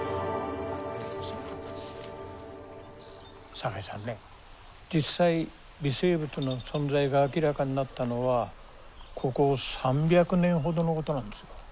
堺さんね実際微生物の存在が明らかになったのはここ３００年ほどのことなんですよ。